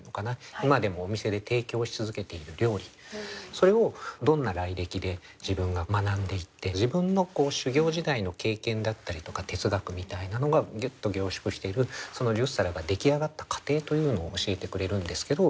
それをどんな来歴で自分が学んでいって自分の修業時代の経験だったりとか哲学みたいなのがギュッと凝縮しているその十皿が出来上がった過程というのを教えてくれるんですけど。